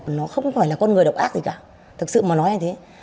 nó không phải là con người độc ác gì cả thực sự mà nói là thế